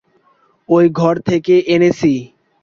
ঐ ঘর থেকে এনেছি।